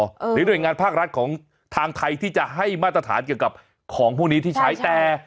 หรือหน่วยงานภาครัฐของทางไทยที่จะให้มาตรฐานเกี่ยวกับของพวกนี้ที่ใช้แต่